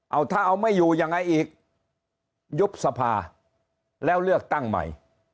เอาถ้าเอาไม่อยู่ยังไงอีกยุบสภาแล้วเลือกตั้งใหม่